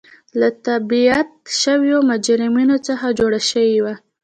له تبعید شویو مجرمینو څخه جوړه شوې وه.